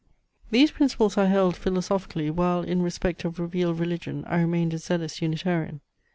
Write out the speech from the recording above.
These principles I held, philosophically, while in respect of revealed religion I remained a zealous Unitarian.